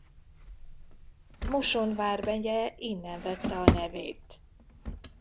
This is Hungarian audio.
Moson vármegye innen vette a nevét.